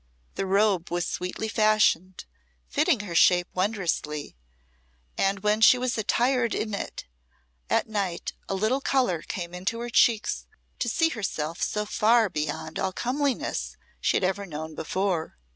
The robe was sweetly fashioned, fitting her shape wondrously; and when she was attired in it at night a little colour came into her cheeks to see herself so far beyond all comeliness she had ever known before.